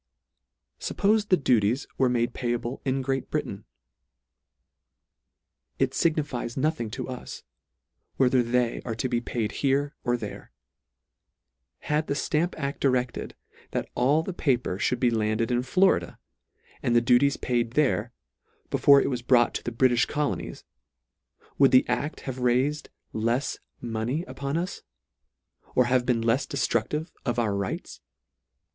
Suppofe the duties were made payable in Great Britain ? It lignifies nothing to us, whether they are to be paid here or there. Had the Stamp aB directed, that all the paper ihould be landed in Florida, and the duties paid there, before it was brought to the Britijh Colonies, would the acl have raifed lefs mo ney upon us, or have been lefs deftruclive of our rights?